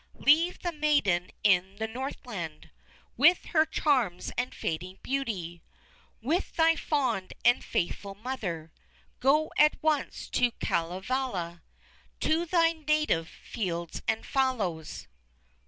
Leave the maiden in the Northland With her charms and fading beauty With thy fond and faithful mother Go at once to Kalevala To thy native fields and fallows.'